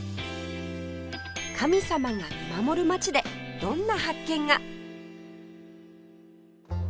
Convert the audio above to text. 神様が見守る街でどんな発見が？